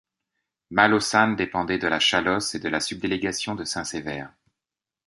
Malaussanne dépendait de la Chalosse et de la subdélégation de Saint-Sever.